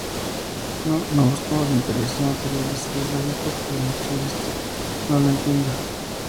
No, no buscamos intereses materiales y es lógico que el imperialista no lo entienda.